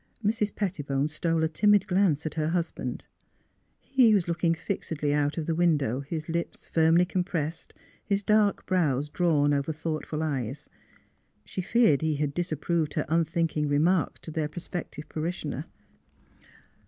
Mrs. Pettibone stole a timid glance at her husband. He was looking fixedly out of the window, his lips firmly compressed, his dark brows drawn over thoughtful eyes. She feared he had disapproved her unthinking remarks to their prospective parishioner.